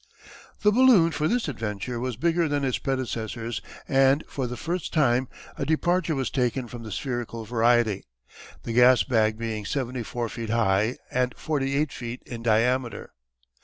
The balloon for this adventure was bigger than its predecessors and for the first time a departure was taken from the spherical variety the gas bag being seventy four feet high, and forty eight feet in diameter.